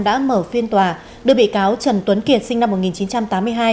đã mở phiên tòa đưa bị cáo trần tuấn kiệt sinh năm một nghìn chín trăm tám mươi hai